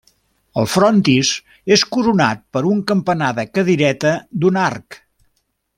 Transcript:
El frontis és coronat per un campanar de cadireta d'un arc.